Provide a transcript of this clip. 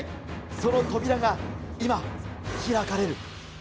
その扉が今、開かれる。